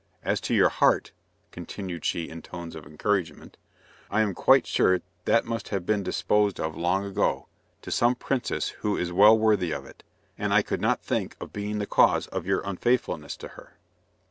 As to your heart," continued she in tones of encouragement, "I am quite sure that must have been disposed of long ago, to some princess who is well worthy of it, and I could not think of being the cause of your unfaithfulness to her."